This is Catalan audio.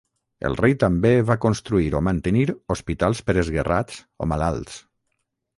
El rei també va construir o mantenir hospitals per esguerrats o malalts.